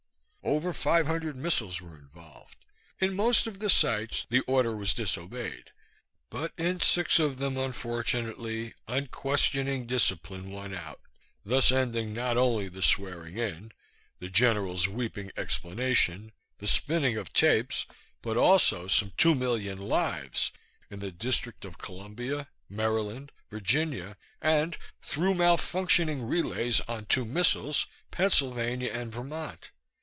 Over five hundred missiles were involved. In most of the sites the order was disobeyed, but in six of them, unfortunately, unquestioning discipline won out, thus ending not only the swearing in, the general's weeping explanation, the spinning of tapes, but also some two million lives in the District of Columbia, Maryland, Virginia and (through malfunctioning relays on two missiles) Pennsylvania and Vermont.